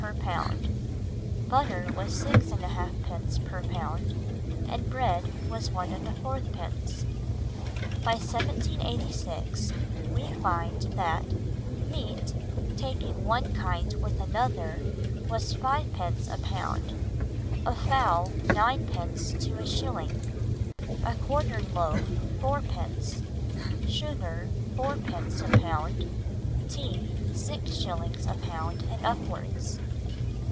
per pound. Butter was 6½d. per pound, and bread a 1¼d. By 1786 we find that "meat, taking one kind with another, was fivepence a pound; a fowl ninepence to a shilling; a quartern loaf fourpence; sugar fourpence a pound; tea six shillings a pound and upwards."